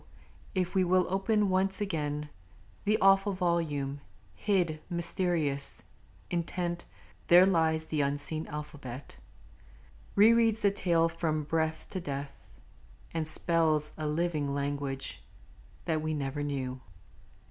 if we will open once again The awful volume, hid, mysterious, Intent, there lies the unseen alphabet Re reads the tale from breath to death, and spells A living language that we never knew.